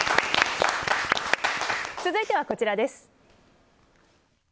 続いてはこちらです。